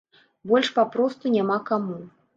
Больш папросту няма каму.